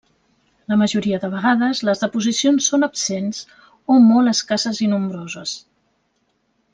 La majoria de vegades, les deposicions són absents o molt escasses i nombroses.